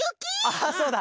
あそうだ！